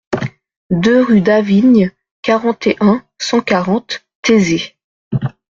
deux rue d'Avigne, quarante et un, cent quarante, Thésée